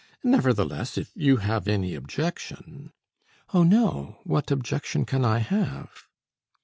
Nevertheless, if you have any objection " "Oh, no! What objection can I have?"